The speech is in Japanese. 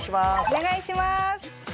お願いします。